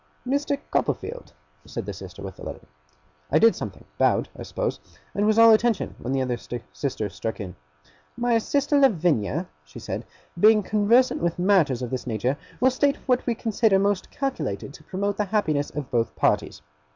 'Mr. Copperfield!' said the sister with the letter. I did something bowed, I suppose and was all attention, when the other sister struck in. 'My sister Lavinia,' said she 'being conversant with matters of this nature, will state what we consider most calculated to promote the happiness of both parties.